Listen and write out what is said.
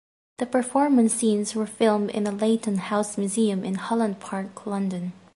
The performance scenes were filmed in the Leighton House Museum in Holland Park, London.